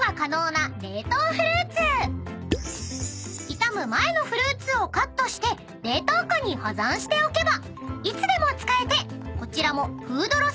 ［傷む前のフルーツをカットして冷凍庫に保存しておけばいつでも使えてこちらもフードロスの削減に］